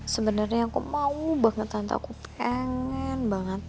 sebenernya aku mau banget tante aku pengen banget